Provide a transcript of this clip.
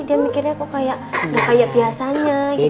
dia mikirnya kok kayak gak kayak biasanya gitu